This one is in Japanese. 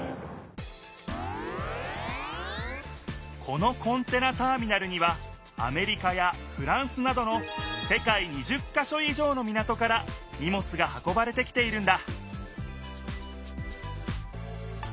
このコンテナターミナルにはアメリカやフランスなどの世界２０か所以上の港からにもつが運ばれてきているんだ